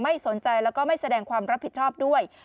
ไม่สนใจแล้วก็ไม่แสดงความรับผิดชอบด้วย